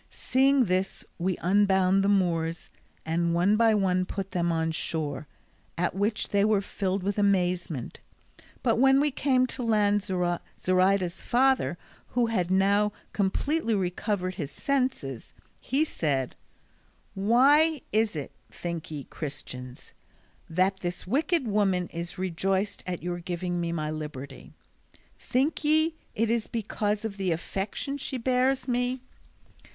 Seeing this we unbound the Moors, and one by one put them on shore, at which they were filled with amazement; but when we came to land Zoraida's father, who had now completely recovered his senses, he said: "Why is it, think ye, Christians, that this wicked woman is rejoiced at your giving me my liberty? Think ye it is because of the affection she bears me?